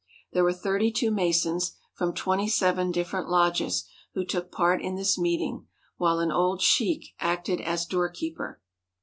There were thirty two Masons from twenty seven different lodges, who took part in this meeting, while an old sheik acted as doorkeeper.